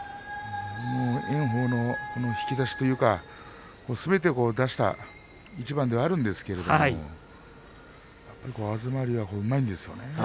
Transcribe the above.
炎鵬の引き出しというかすべてを出した一番ではあるんですけれども東龍はうまいんですよね。